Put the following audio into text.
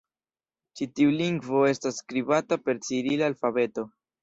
Ĉi tiu lingvo estas skribata per cirila alfabeto.